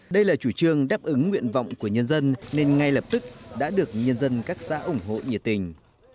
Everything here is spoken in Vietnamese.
đây là chủ trương đáp ứng nguyện vọng của nhân dân nên ngay lập tức đã được nhân dân các xã ủng hộ nhiệt tình